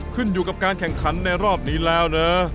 ขึ้นอยู่กับการแข่งขันในรอบนี้แล้วนะ